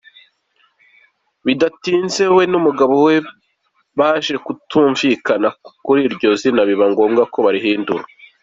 Bidatinze we n’umugabo we baje kutumvikana kuri iryo zina biba ngomba ko barihindura.